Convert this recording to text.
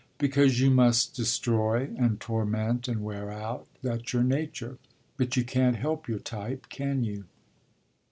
"Because you must destroy and torment and wear out that's your nature. But you can't help your type, can you?"